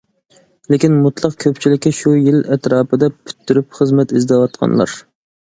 لېكىن مۇتلەق كۆپچىلىكى شۇ يىل ئەتراپىدا پۈتتۈرۈپ خىزمەت ئىزدەۋاتقانلار.